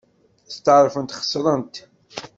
Steɛṛfent xeṣrent.